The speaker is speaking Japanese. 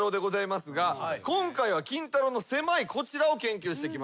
ですが今回はキンタロー。のせまいこちらを研究してきました。